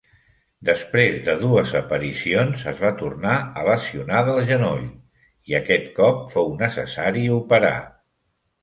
Després de dues aparicions, es va tornar a lesionar del genoll, i aquest cop fou necessari operar.